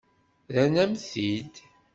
Rran-am-t-id.